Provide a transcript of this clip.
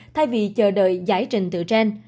thay vì chờ đợi giải trình từ trên